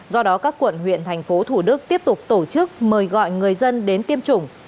do đó các quận huyện thành phố thủ đức tiếp tục tổ chức mời gọi người dân đến tiêm chủng